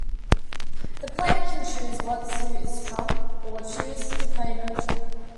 The player can choose what suit is trump, or choose to play No Trump.